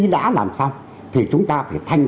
đã làm xong thì chúng ta phải thanh